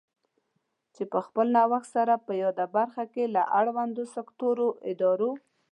چې په خپل نوښت سره په یاده برخه کې له اړوندو سکټوري ادارو